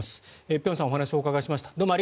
辺さんにお話をお伺いしました。